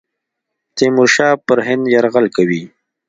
تیمورشاه به پر هند یرغل کوي.